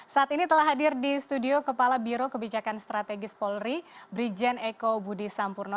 saat ini telah hadir di studio kepala biro kebijakan strategis polri brigjen eko budi sampurno